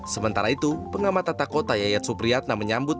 sementara itu pengamat tata kota yayat supriyatna menyambut